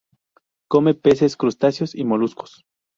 Come peces, crustáceos y moluscos.